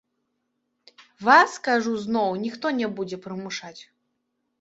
Вас, кажу зноў, ніхто не будзе прымушаць.